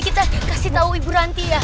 kita kasih tahu ibu ranti ya